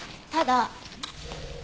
ただ。